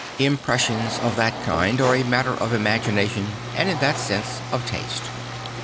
Impressions of that kind are a matter of imagina tion and in that sense of taste.